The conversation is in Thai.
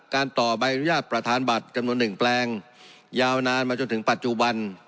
ต่อใบอนุญาตประธานบัตรจำนวน๑แปลงยาวนานมาจนถึงปัจจุบัน